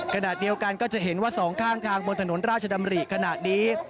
ขณะเดียวกันก็จะเห็นว่าสองข้างทางบนถนนราชดำริขณะนี้